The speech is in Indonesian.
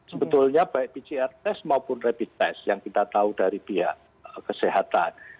sebetulnya baik pcr test maupun rapid test yang kita tahu dari pihak kesehatan